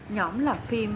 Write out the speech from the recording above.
nhóm làm phim